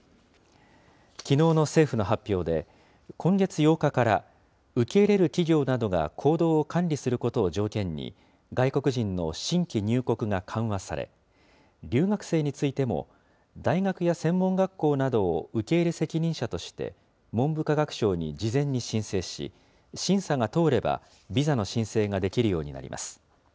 きのうの政府の発表で、今月８日から受け入れる企業などが行動を管理することを条件に、外国人の新規入国が緩和され、留学生についても、大学や専門学校などを受け入れ責任者として文部科学省に事前に申請し、審査が通れば、ビザの申請ができるようになります。